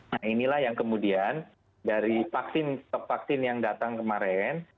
nah inilah yang kemudian dari vaksin stok vaksin yang datang kemarin